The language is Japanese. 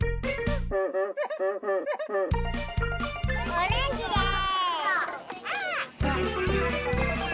オレンジです！